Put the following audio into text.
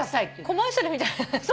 コマーシャルみたいだね。